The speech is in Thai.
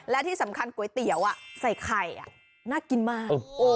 และที่สำคัญก๋วยเตี๋ยวใส่ไข่น่ากินมาก